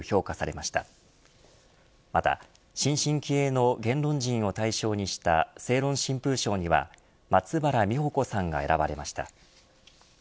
また新進気鋭の言論人を対象にした正論新風賞には松原実穂子さんが選ばれました。